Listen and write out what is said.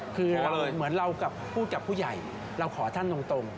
คือเหมือนเรากับผู้จัดผู้ใหญ่เราขอท่านตรง